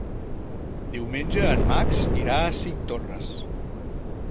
Diumenge en Max irà a Cinctorres.